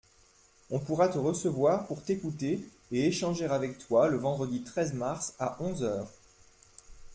On pourra te recevoir pour t’écouter et échanger avec toi le vendredi treize mars à onze heures.